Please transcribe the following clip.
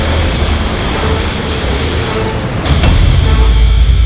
harusan tengo de arena